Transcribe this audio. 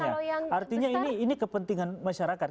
artinya ini kepentingan masyarakat